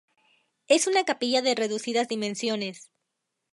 Es una capilla de reducidas dimensiones.